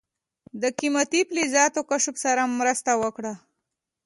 د قیمتي فلزاتو کشف سره مرسته وکړه.